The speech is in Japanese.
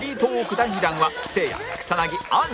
第２弾はせいや草薙あんり